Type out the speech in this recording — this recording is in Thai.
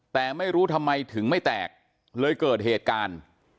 แต่ไม่รู้ทำไมถึงไม่แตกเลยเกิดเหตุการณ์